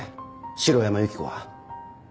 城山由希子は。